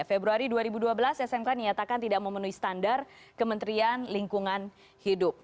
februari dua ribu dua belas smk dinyatakan tidak memenuhi standar kementerian lingkungan hidup